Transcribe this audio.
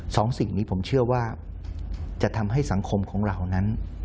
สองสิ่งนี้ผมเชื่อว่าจะทำให้สังคมของเรานั้น